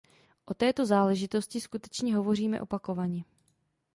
O této záležitosti skutečně hovoříme opakovaně.